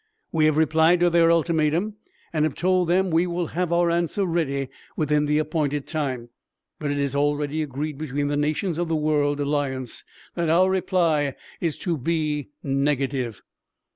We have replied to their ultimatum and have told them we will have our answer ready within the appointed time, but it is already agreed between the nations of the World Alliance that our reply is to be negative.